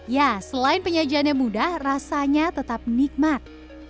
ya selain penyajiannya mudah rasanya tetap nikmat